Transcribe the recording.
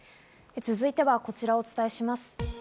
続いては、こちらをお伝えします。